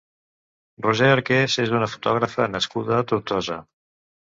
Roser Arqués és una fotògrafa nascuda a Tortosa.